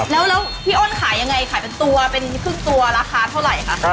แล้วพี่อ้นขายยังไงขายเป็นตัวเป็นครึ่งตัวราคาเท่าไหร่คะ